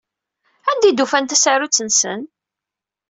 Anda ay d-ufan tasarut-nsen?